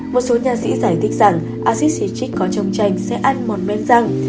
một số nhà sĩ giải thích rằng acid citric có trong chanh sẽ ăn mòn men răng